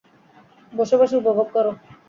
বসে বসে উপভোগ করো।